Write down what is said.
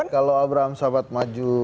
kalau abraham sobat maju